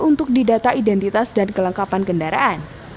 untuk didata identitas dan kelengkapan kendaraan